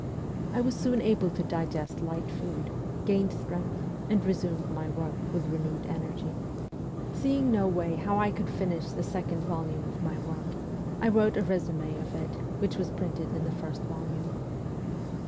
I was soon able to digest light food, gained strength, and resumed my work with renewed energy. Seeing no way how I could finish the second volume of my work, I wrote a resume of it, which was printed in the first volume.